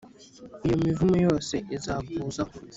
iyo mivumo yose izakuzaho,